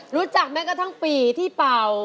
รู้จักแม้กระทั่งปีที่เป่า